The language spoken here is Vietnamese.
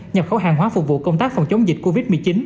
nhập khẩu hàng hóa phục vụ công tác phòng chống dịch covid một mươi chín